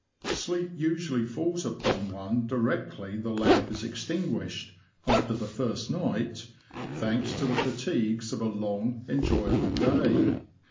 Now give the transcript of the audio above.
Sleep usually falls upon one directly the lamp is extin guished (after the first night), thanks to the fatigues PREPARATIONS FOR THE TRIP. 15 of a long, enjoyable day.